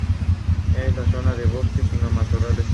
En la zona no hay bosques, sino matorrales.